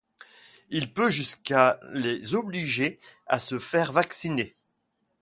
Il peut jusqu'à les obliger à se faire vacciner.